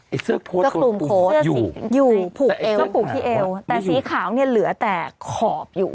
ไอ้เสื้อโค้ดอยู่อยู่ปลูกเอวปลูกที่เอวแต่สีขาวเนี้ยเหลือแต่ขอบอยู่